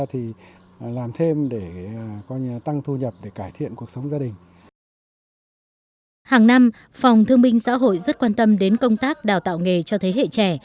hàng năm phòng thương minh xã hội rất quan tâm đến công tác đào tạo nghề cho thế hệ trẻ